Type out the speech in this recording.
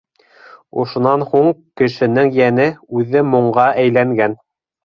Ошонан һуң кешенең Йәне үҙе моңға әйләнгән.